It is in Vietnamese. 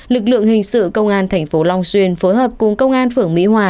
lực lượng hình sự công an thành phố long xuyên phối hợp cùng công an phường mỹ hòa